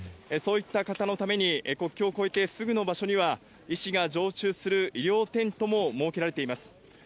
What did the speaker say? そういった方のために、国境を越えてすぐの場所には、医師が常駐する医療テントも設けられています。